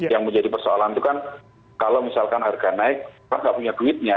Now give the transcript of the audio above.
yang menjadi persoalan itu kan kalau misalkan harga naik kan nggak punya duitnya